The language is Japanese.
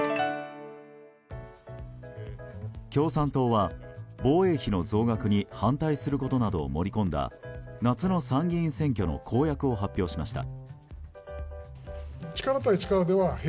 共産党は防衛費の増額に反対することなどを盛り込んだ夏の参議院選挙の公約を発表しました。